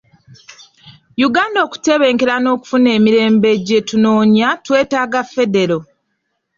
Uganda okutebenkera n'okufuna emirembe gye tunoonya twetaaga Federo.